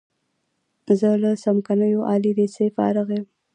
زه له څمکنیو عالی لیسې فارغ یم.